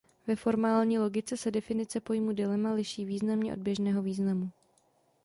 Ve formální logice se definice pojmu dilema liší významně od běžného významu.